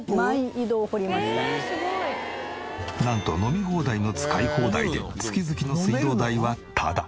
なんと飲み放題の使い放題で月々の水道代はタダ。